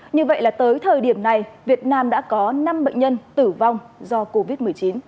như vậy là tới thời điểm này việt nam đã có năm bệnh nhân tử vong do covid một mươi chín